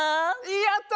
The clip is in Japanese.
やった！